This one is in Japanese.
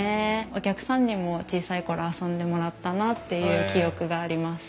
お客さんにも小さい頃遊んでもらったなっていう記憶があります。